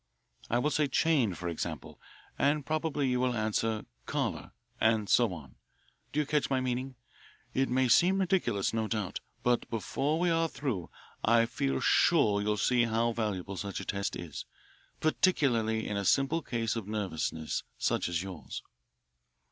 I will say 'chain,' for example, and probably you will answer 'collar,' and so on. Do you catch my meaning? It may seem ridiculous, no doubt, but before we are through I feel sure you'll see how valuable such a test is, particularly in a simple case of nervousness such as yours."